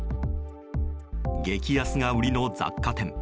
激安が売りの雑貨店。